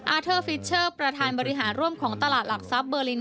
เทอร์ฟิชเชอร์ประธานบริหารร่วมของตลาดหลักทรัพย์เบอร์ลิน